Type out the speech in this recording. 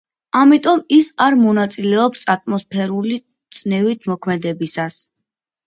ამიტომ ის არ მონაწილეობს ატმოსფერული წნევით მოქმედებისას